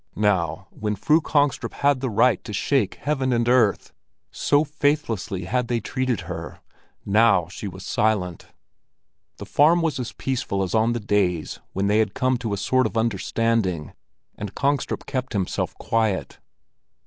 Now, when Fru Kongstrup had the right to shake heaven and earth—so faithlessly had they treated her—now she was silent. The farm was as peaceful as on the days when they had come to a sort of understanding, and Kongstrup kept himself quiet.